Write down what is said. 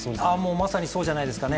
まさにそうじゃないですかね